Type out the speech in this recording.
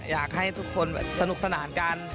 อยากให้ทุกคนสนุกสนานกัน